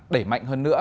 để mạnh hơn nữa